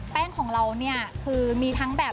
แป้งของเราคือมีทั้งแบบ